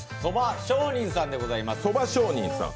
蕎上人さんでございます。